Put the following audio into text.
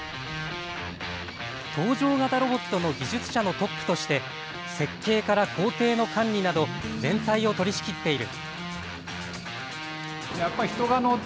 搭乗型ロボットの技術者のトップとして設計から工程の管理など全体を取りしきっている。